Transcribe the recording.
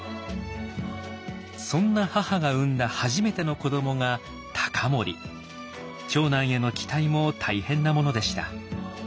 そんな母が産んだ初めての子どもが長男への期待も大変なものでした。